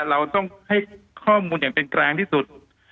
เราต้องให้ข้อมูลอย่างเป็นกลางที่สุด